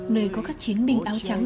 nơi có các chiến binh áo trắng